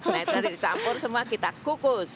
nah itu dicampur semua kita kukus